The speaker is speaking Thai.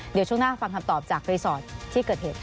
เดี๋ยวช่วงหน้าฟังคำตอบจากรีสอร์ทที่เกิดเหตุค่ะ